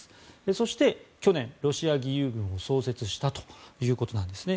そして去年、ロシア義勇軍を創設したということなんですね。